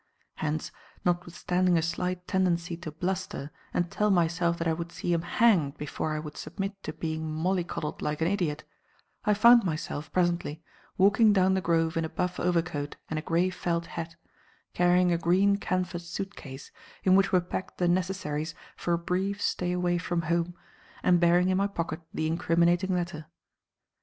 Hence, notwithstanding a slight tendency to bluster and tell myself that I would see him hanged before I would submit to being mollycoddled like an idiot, I found myself, presently, walking down the Grove in a buff overcoat and a grey felt hat, carrying a green canvas suit case in which were packed the necessaries for a brief stay away from home, and bearing in my pocket the incriminating letter.